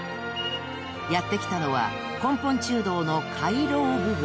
［やって来たのは根本中堂の廻廊部分］